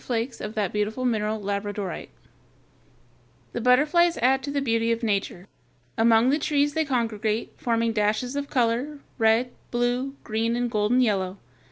229. A butterfly.] The butterflies add to the beauty of nature. Among the trees they congregate, forming dashes of color, red, blue, green, and golden yellow.